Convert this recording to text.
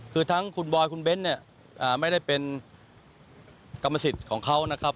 คือทั้งคุณบอยคุณเบ้นเนี่ยไม่ได้เป็นกรรมสิทธิ์ของเขานะครับ